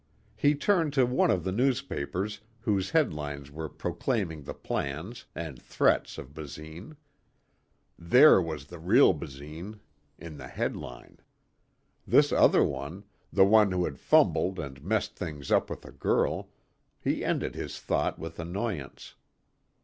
He turned to one of the newspapers whose headlines were proclaiming the plans, and threats of Basine. There was the real Basine in the headline. This other one, the one who had fumbled and messed things up with a girl he ended his thought with annoyance.